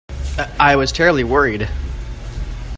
I—I was terribly worried.